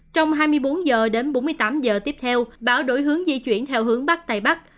trong hai mươi bốn h đến bốn mươi tám giờ tiếp theo bão đổi hướng di chuyển theo hướng bắc tây bắc